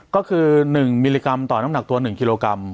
ก็คือ๑มิลลิกรัมต่อน้ำหนักตัว๑กิโลกรัม